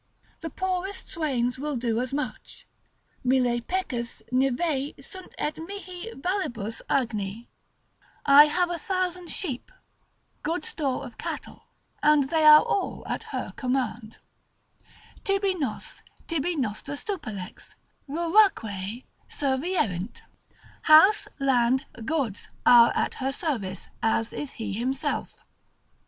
The poorest swains will do as much, Mille pecus nivei sunt et mihi vallibus agni; I have a thousand sheep, good store of cattle, and they are all at her command, ———Tibi nos, tibi nostra supellex, Ruraque servierint——— house, land, goods, are at her service, as he is himself.